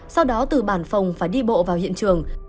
sau đó từ bản phòng phải đi bộ vào hiện trường